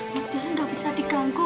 mas deren gak bisa diganggu